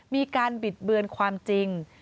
มีการบิดเบือนความจริง